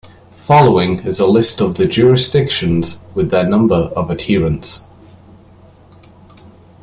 Following is a list of the jurisdictions with their number of adherents.